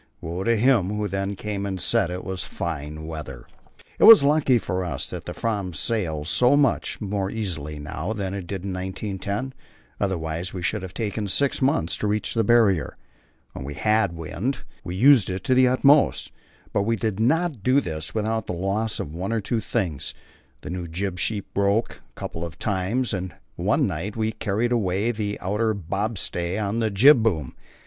Woe to him who then came and said it was fine weather. It was lucky for us that the Fram sails so much more easily now than in 1910, otherwise we should have taken six months to reach the Barrier. When we had wind, we used it to the utmost; but we did not do this without the loss of one or two things; the new jib sheet broke a couple of times, and one night we carried away the outer bobstay of the jib boom.